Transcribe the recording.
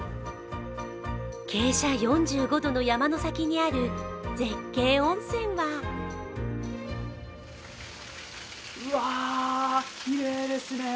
傾斜４５度の山の先にある絶景温泉はうわ、きれいですね。